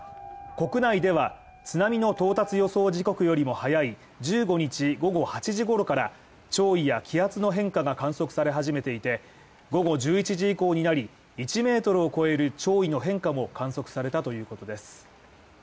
国内では、津波の到達予想時刻よりも早い１５日午後８時ごろから、潮位や気圧の変化が観測され始めていて、午後１１時以降になり１ｍを超える潮位の変化も観測されたということです。